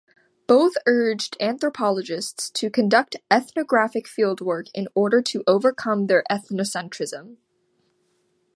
Both urged anthropologists to conduct ethnographic fieldwork in order to overcome their ethnocentrism.